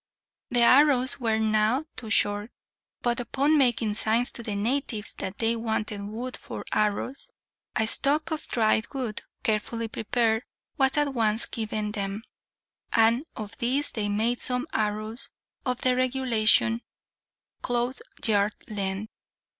The arrows were now too short, but upon making signs to the natives that they wanted wood for arrows, a stock of dried wood, carefully prepared, was at once given them, and of these they made some arrows of the regulation cloth yard length.